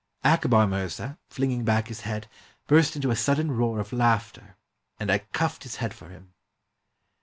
Akbar Mirza, flinging back his head, burst into a sudden roar of laughter, and I cuffed his head for him.